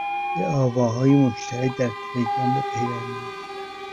به آواهای مشترک در تلگرام بپیوندید